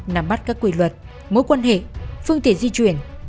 nắm bắt các quy luật mối quan hệ phương tiện di chuyển